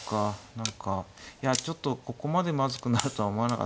何かいやちょっとここまでまずくなるとは思わなかった。